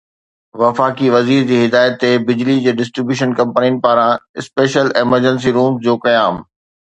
وفاقي وزير جي هدايت تي بجلي جي ڊسٽري بيوشن ڪمپنين پاران اسپيشل ايمرجنسي رومز جو قيام